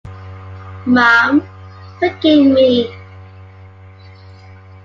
Mum, forgive me.